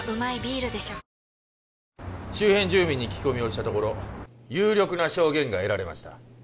周辺住民に聞き込みをしたところ有力な証言が得られました